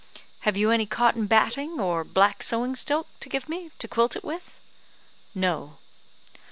"Have you any cotton batting, or black sewing silk, to give me, to quilt it with?" "No."